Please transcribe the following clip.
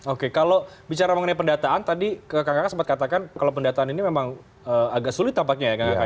oke kalau bicara mengenai pendataan tadi kang kakak sempat katakan kalau pendataan ini memang agak sulit tampaknya ya kang ya